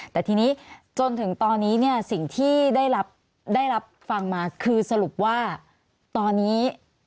แต่ทีนี้จนถึงตอนนี้เนี่ยสิ่งที่ได้รับฟังมาคือสรุปว่าตอนนี้